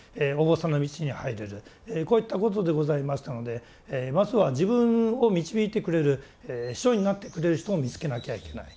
こういったことでございましたのでまずは自分を導いてくれる師匠になってくれる人を見つけなきゃいけない。